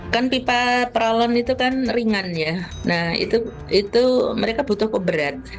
kan pipa peralon itu kan ringan ya nah itu mereka butuh kok berat